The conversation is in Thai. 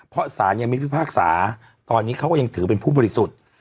เพราะสารยังไม่พิพากษาตอนนี้เขาก็ยังถือเป็นผู้บริสุทธิ์